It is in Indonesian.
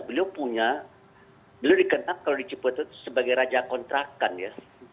beliau punya beliau dikenal kalau dicipta sebagai raja kontrakan ya